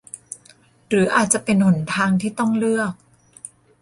หรืออาจจะเป็นหนทางที่ต้องเลือก